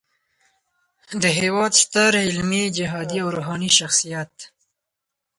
د هیواد ستر علمي، جهادي او روحاني شخصیت